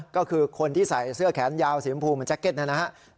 ก็คือคนที่ใส่เสื้อแขนยาวสีชมพูเหมือนแจ็ตนะครับ